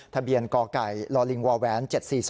ทะเบียนกไก่ลิงวแหวน๗๔๒